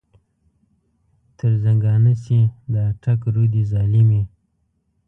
تر زنګانه شې د اټک رودې ظالمې.